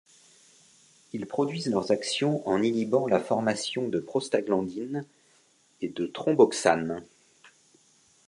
Ils produisent leurs actions en inhibant la formation de prostaglandines et de thromboxane.